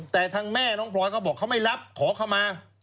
แต่ทางแม่น้องพลอยเขาบอกเขาไม่รับขอเข้ามา